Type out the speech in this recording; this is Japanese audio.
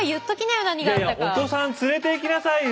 いやいやお子さん連れていきなさいよ！